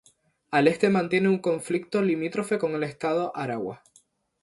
Al este mantiene un conflicto limítrofe con el Estado Aragua.